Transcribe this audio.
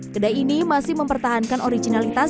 kedai ini masih mempertahankan originalitas